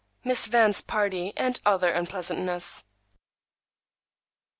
MISS VAN'S PARTY AND ANOTHER UNPLEASANTNESS.